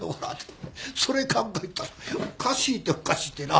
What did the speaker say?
それ考えたらおかしいておかしいてな。